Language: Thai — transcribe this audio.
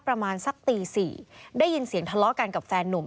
ประมาณสักตี๔ได้ยินเสียงทะเลาะกันกับแฟนนุ่ม